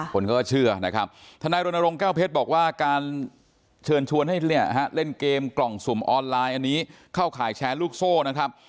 คนก็เชื่อนะครับทนายรณรงค์แก้วเพชรบอกว่าการเชิญชวนให้เนี่ยฮะเล่นเกมกล่องสุ่มออนไลน์อันนี้เข้าข่ายแชร์ลูกโซ่นะครับ